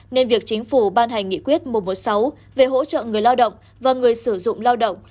nên việc chính phủ ban hành nghị quyết một trăm một mươi sáu về hỗ trợ người lao động và người sử dụng lao động